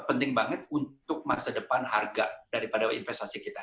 penting banget untuk masa depan harga daripada investasi kita